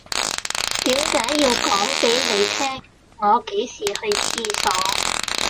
點解要講俾你聽我幾時去廁所